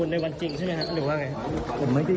เรามีโดนข่มขู่อะไรไหมพี่